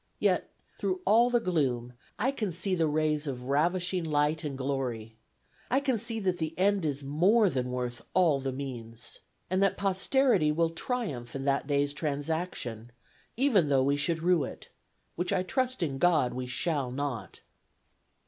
Yet, through all the gloom, I can see the rays of ravishing light and glory. I can see that the end is more than worth all the means. And that posterity will triumph in that day's transaction, even although we should rue it, which I trust in God we shall not."